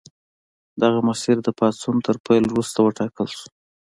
دغه مسیر د پاڅون تر پیل وروسته وټاکل شو.